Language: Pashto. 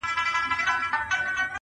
په مشوکه کي مي زېری د اجل دئ؛